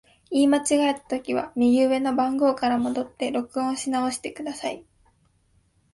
言い間違えたときは、右上の番号から戻って録音し直してください。